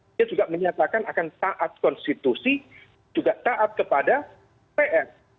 dia juga menyatakan akan taat konstitusi juga taat kepada pr